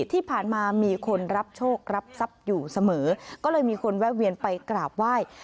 ที่ผ่านมามีคนรับโชครับทรัพย์อยู่เสมอก็เลยมีคนแวะเวียนไปกราบไหว้